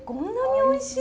おいしい！